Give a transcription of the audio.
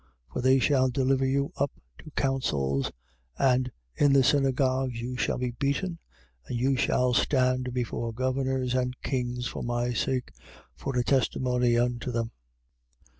For they shall deliver you Up to councils: and in the synagogues you shall be beaten: and you shall stand before governors and kings for my sake, for a testimony unto them.